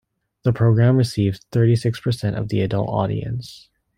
The programme received thirty-six percent of the adult audience.